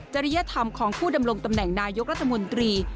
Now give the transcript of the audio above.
ริยธรรมของผู้ดำรงตำแหน่งนายกรัฐมนตรี